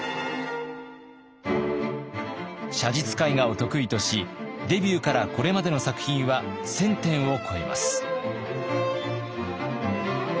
写実絵画を得意としデビューからこれまでの作品は１，０００点を超えます。